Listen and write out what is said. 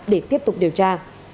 để tiếp tục điều tra